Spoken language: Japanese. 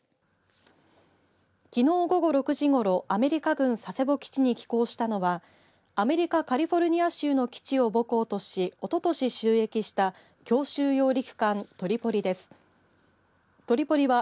きのう午後６時ごろアメリカ軍佐世保基地に寄港したのはアメリカカリフォルニア州の基地を母港としおととし就役した強襲揚陸艦トリポリです。